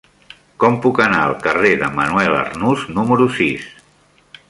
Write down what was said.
Com puc anar al carrer de Manuel Arnús número sis?